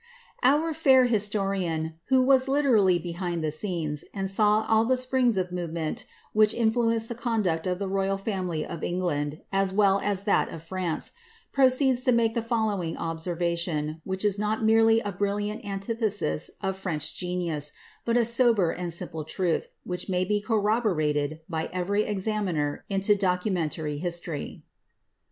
Our fair historian, who was literally behind the scenes, and aaw i the springs of movement which influenced the conduct of the roy fiunily of England as well as that of France, proceeds to make the (c lowing observation, which is not merely a brilliant antithesis of Franc genius, but a sober and simple truth, which may be corroborated li every examiner into documentary history.